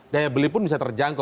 daya beli pun bisa terjangkau